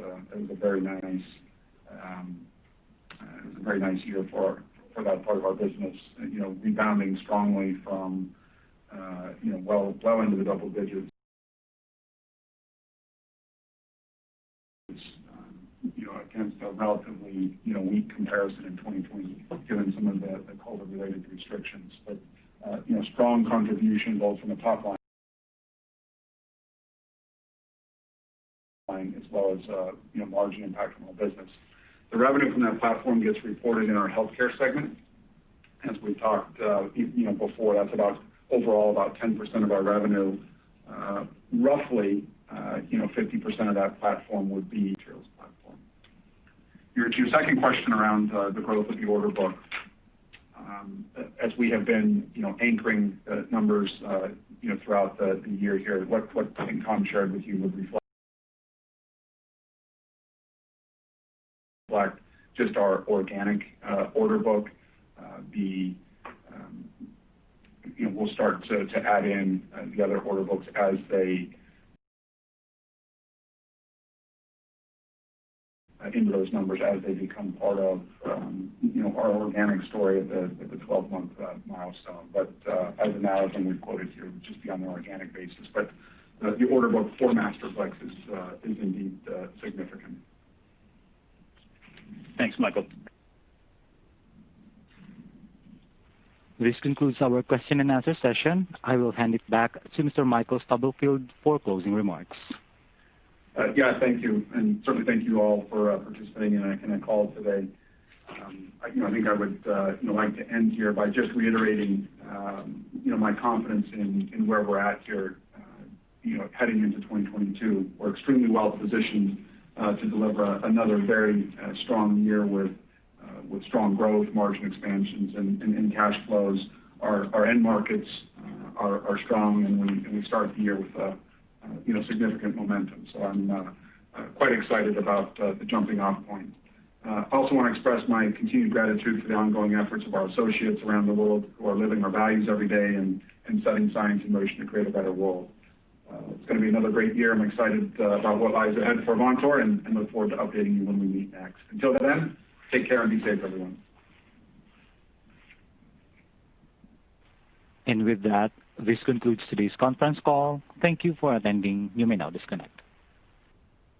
a very nice year for that part of our business. You know, rebounding strongly from you know well into the double digits you know against a relatively you know weak comparison in 2020, given some of the COVID-related restrictions. You know, strong contribution both from a top line as well as you know, margin impact on our business. The revenue from that platform gets reported in our healthcare segment. As we've talked you know before, that's about overall about 10% of our revenue. Roughly you know, 50% of that platform would be materials platform. Your second question around the growth of the order book. As we have been you know anchoring numbers you know throughout the year here, what Tom shared with you would reflect just our organic order book. We'll start to add in the other order books into those numbers as they become part of our organic story at the 12-month milestone. As of now, as when we've quoted here, would just be on an organic basis. The order book for Masterflex is indeed significant. Thanks, Michael. This concludes our question and answer session. I will hand it back to Mr. Michael Stubblefield for closing remarks. Yeah. Thank you. Certainly thank you all for participating in the call today. You know, I think I would like to end here by just reiterating my confidence in where we're at here, you know, heading into 2022. We're extremely well positioned to deliver another very strong year with strong growth, margin expansions and cash flows. Our end markets are strong and we start the year with significant momentum. I'm quite excited about the jumping off point. I also wanna express my continued gratitude for the ongoing efforts of our associates around the world who are living our values every day and setting science in motion to create a better world. It's gonna be another great year. I'm excited about what lies ahead for Avantor and look forward to updating you when we meet next. Until then, take care and be safe everyone. With that, this concludes today's conference call. Thank you for attending. You may now disconnect.